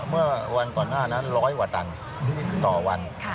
เมื่อวันก่อนหน้านั้นร้อยกว่าตันต่อวัน